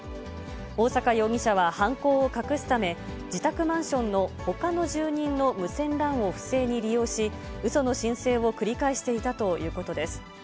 大坂容疑者は犯行を隠すため、自宅マンションのほかの住人の無線ＬＡＮを不正に利用し、うその申請を繰り返していたということです。